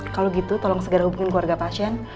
kalau gitu tolong segera hubungin keluarga pasien